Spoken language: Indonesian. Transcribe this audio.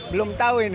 belum tahu ini